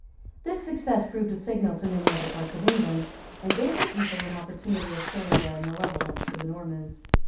[] This success proved a signal to many other parts of England, and gave the people an opportunity of showing their malevolence to the Normans.